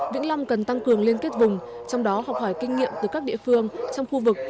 vĩnh long cần tăng cường liên kết vùng trong đó học hỏi kinh nghiệm từ các địa phương trong khu vực